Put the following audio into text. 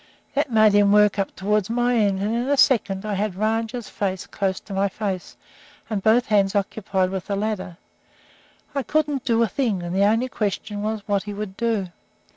That made him work up toward my end, and in a second I had Rajah's face close to my face, and both my hands occupied with the ladder. I couldn't do a thing, and the only question was what he would do.